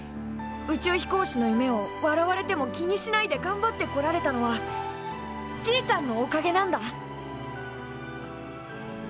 宇宙飛行士の夢を笑われても気にしないでがんばってこられたのはじいちゃんのおかげなんだ。